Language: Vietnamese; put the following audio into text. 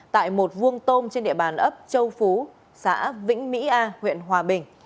tại một vuông tôm trên địa bàn ấp châu phú xã vĩnh mỹ a huyện hòa bình